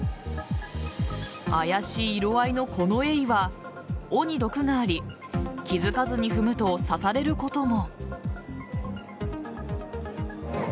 怪しい色合いのこのエイは尾に毒があり気付かずに踏むと刺されることも。